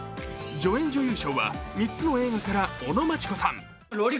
助演女優賞は、３つの映画から尾野真千子さん。